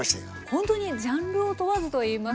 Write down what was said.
ほんとにジャンルを問わずといいますか。